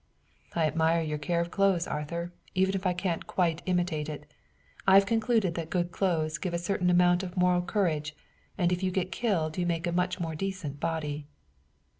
"I admire your care of your clothes, Arthur, even if I can't quite imitate it. I've concluded that good clothes give a certain amount of moral courage, and if you get killed you make a much more decent body."